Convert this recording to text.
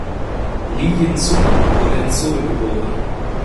Lee Jin-sook wurde in Seoul geboren.